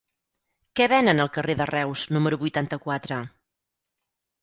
Què venen al carrer de Reus número vuitanta-quatre?